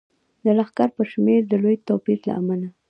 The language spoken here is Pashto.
د لښکر په شمیر کې د لوی توپیر له امله.